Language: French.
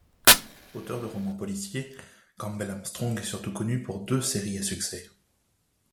Auteur de romans policiers, Campbell Armstrong est surtout connu pour deux séries à succès.